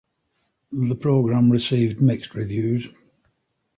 The program received mixed reviews.